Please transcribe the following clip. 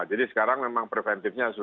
jadi sekarang memang preventifnya sudah